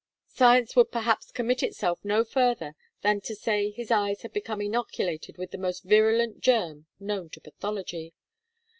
Science would perhaps commit itself no further than to say his eyes had become inoculated with the most virulent germ known to pathology.